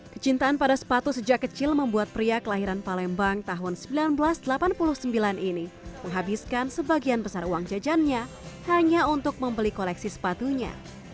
kecintaan pada sepatu sejak kecil membuat pria kelahiran palembang tahun seribu sembilan ratus delapan puluh sembilan ini menghabiskan sebagian besar uang jajannya hanya untuk membeli koleksi sepatunya